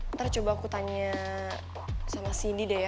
ntar coba aku tanya sama cindy deh ya